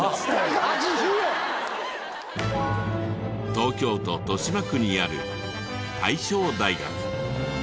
東京都豊島区にある大正大学。